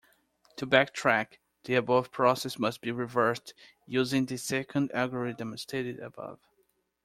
To backtrack, the above process must be reversed using the second algorithm stated above.